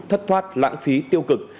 thất thoát lãng phí tiêu cực